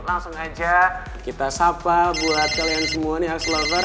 langsung aja kita sapa buat kalian semua nih lover